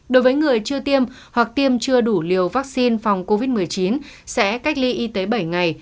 đối với người chưa tiêm hoặc tiêm chưa đủ liều vaccine phòng covid một mươi chín sẽ cách ly y tế bảy ngày